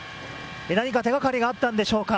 何か手がかりがあったんでしょうか。